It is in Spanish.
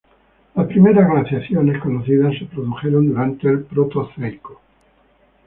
Las primeras glaciaciones conocidas se produjeron durante el Proterozoico.